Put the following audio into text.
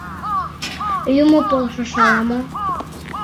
Юмо полшыш ала-мо.